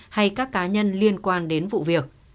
hay các cá nhân liên quan đến vụ việc